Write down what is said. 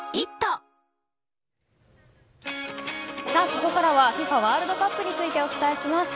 ここからはＦＩＦＡワールドカップについてお伝えします。